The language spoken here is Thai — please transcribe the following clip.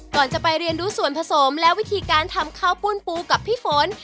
ก่อนจะไปเรียนรู้ส่วนผสมและวิธีการทำข้าวปุ้นปูกับพี่ฝน